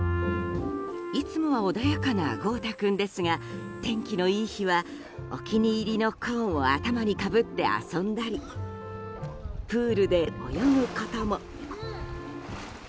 いつもは穏やかな豪太君ですが天気のいい日はお気に入りのコーンを頭にかぶって遊んだりプールで泳ぐことも。